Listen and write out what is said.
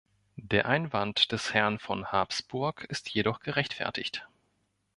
Der Einwand des Herrn von Habsburg ist jedoch gerechtfertigt.